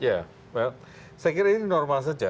ya saya kira ini normal saja